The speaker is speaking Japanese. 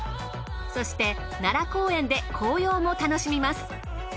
そして奈良公園で紅葉も楽しみます。